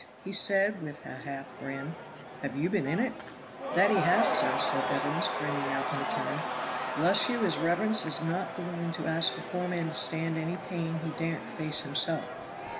said he, with a half grin, "have you been in it?" "That he has, sir," said Evans, grinning out in return. "Bless you, his reverence is not the one to ask a poor man to stand any pain he daren't face himself."